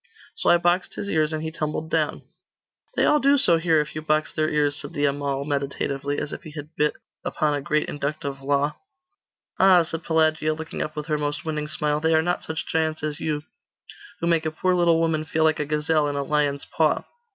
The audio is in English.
So I boxed his ears, and he tumbled down.' 'They all do so here, if you box their ears,' said the Amal meditatively, as if he had bit upon a great inductive law. 'Ah,' said Pelagia, looking up with her most winning smile, 'they are not such giants as you, who make a poor little woman feel like a gazelle in a lion's paw!